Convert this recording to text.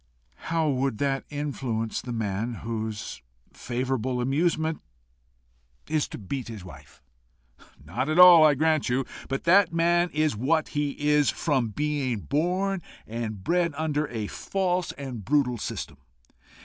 "How would that influence the man whose favourite amusement is to beat his wife!" "Not at all, I grant you. But that man is what he is from being born and bred under a false and brutal system.